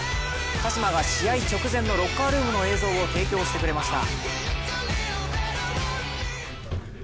鹿島が試合直前のロッカールームの映像を提供してくれました。